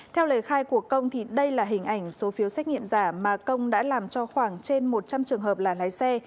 theo lời khai của công thì đây là hình ảnh số phiếu xét nghiệm giả mà công đã làm cho khoảng trên một trăm linh trường hợp là lái xe